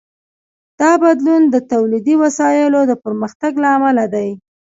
دا بدلون د تولیدي وسایلو د پرمختګ له امله دی.